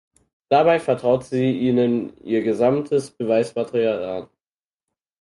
Dabei vertraut sie ihnen ihr gesammeltes Beweismaterial an.